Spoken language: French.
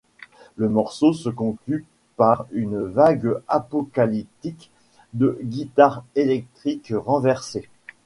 Le morceau se conclut par une vague apocalyptique de guitares électriques renversées.